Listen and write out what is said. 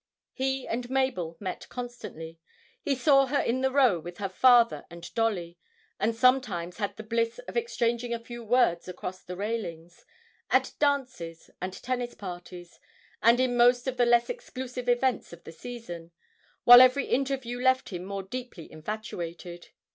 He and Mabel met constantly. He saw her in the Row with her father and Dolly and sometimes had the bliss of exchanging a few words across the railings at dances and tennis parties, and in most of the less exclusive events of the season, while every interview left him more deeply infatuated.